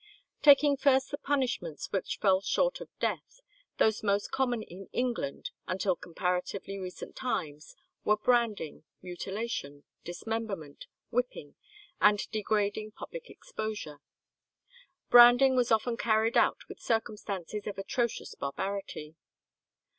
Taking first the punishments which fell short of death, those most common in England, until comparatively recent times, were branding, mutilation, dismemberment, whipping, and degrading public exposure. Branding was often carried out with circumstances of atrocious barbarity.